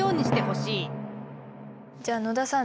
じゃあ野田さん